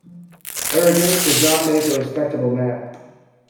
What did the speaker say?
Arrogance does not make a respectable man.